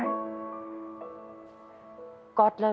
แล้วลูกก็จะอยู่ด้วยกับแม่